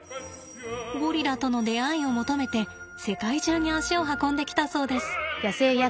ゴリラとの出会いを求めて世界中に足を運んできたそうです。